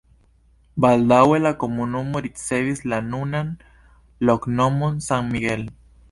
Baldaŭe la komunumo ricevis la nunan loknomon San Miguel.